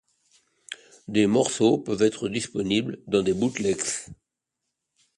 Des morceaux peuvent être disponibles dans des bootlegs.